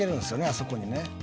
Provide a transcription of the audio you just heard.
あそこにね］